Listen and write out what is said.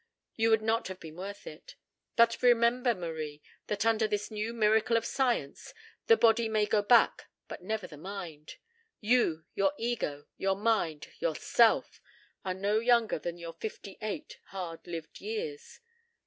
You would not have been worth it. But remember, Marie, that under this new miracle of science, the body may go back but never the mind. You, your ego, your mind, your self, are no younger than your fifty eight hard lived years.